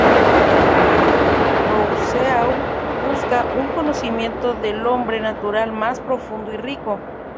Rousseau busca un conocimiento del hombre natural más profundo y rico.